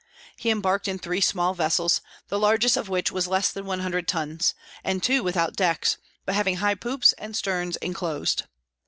He embarked in three small vessels, the largest of which was less than one hundred tons, and two without decks, but having high poops and sterns inclosed.